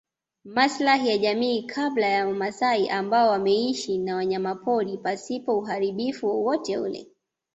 Maslahi ya jamii kabila la wamaasai ambao wameishi na wanyamapori pasipo uharibifu wowote ule